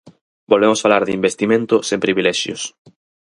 Volvemos falar de investimento sen privilexios.